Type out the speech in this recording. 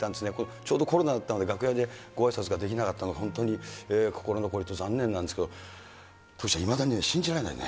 ちょうどコロナだったので、楽屋でごあいさつができなかったのが本当に心残りと残念なんですけど、徳ちゃん、いまだに信じられないね。